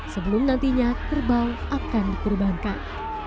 sebelum nantinya kerbau akan dikurbankan